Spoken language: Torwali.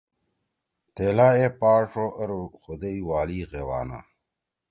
تیلا اے پاݜ او ار خدائی والی غیوانا